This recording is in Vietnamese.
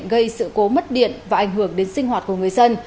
gây sự cố mất điện và ảnh hưởng đến sinh hoạt của người dân